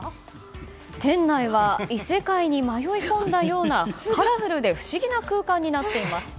店内は異世界に迷い込んだようなカラフルで不思議な空間になっています。